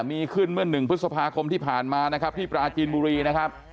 มีขึ้นเมื่อ๑พฤษภาคมที่ผ่านมานะครับที่ปราจีนบุรีนะครับ